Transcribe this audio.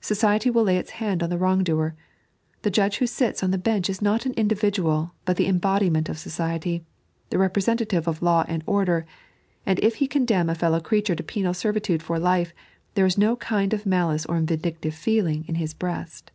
Society will lay its hand on the wrong doer. The judge who sits on the bench is not an individual, but the embodiment of society, the representative of law and order ; and if he condemn a fellow creature to penal servitude for life, there is no kind of malice or vindictive feeling in his breast.